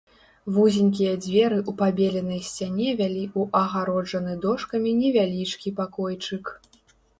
Вузенькія дзверы ў пабеленай сцяне вялі ў адгароджаны дошкамі невялічкі пакойчык.